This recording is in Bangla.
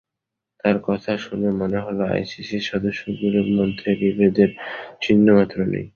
তাঁর কথা শুনে মনে হলো, আইসিসির সদস্যদেশগুলোর মধ্যে বিভেদের চিহ্ন মাত্র নেই।